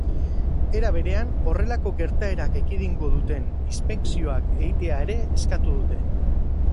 Era berean, horrelako gertaerak ekidingo duten inspekzioak egitea ere eskatu dute.